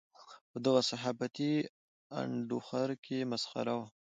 په دغه صحافتي انډوخر کې مسخره وو.